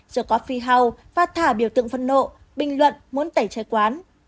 rồi có phi hau và thả biểu tượng phân nộ bình luận muốn tẩy chay quán